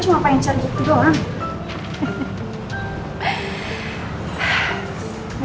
gue cuma pengen cari bukti doang